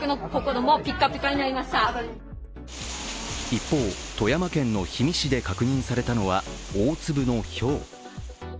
一方、富山県の氷見市で確認されたのは、大粒のひょう。